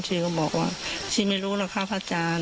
ชีก็บอกว่าชีไม่รู้แล้วค่ะพระอาจารย์